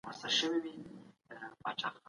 زما د ژوند شاعري